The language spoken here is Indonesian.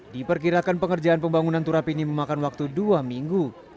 diperkirakan pengerjaan pembangunan turap ini memakan waktu dua minggu